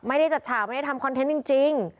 ไม่ได้จัดฉากไม่ได้ทำคอนเทนต์จริง